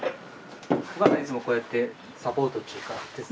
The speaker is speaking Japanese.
お母さんいつもこうやってサポートっちゅうか手伝って？